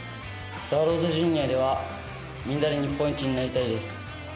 スワローズジュニアではみんなで日本一になりたいです。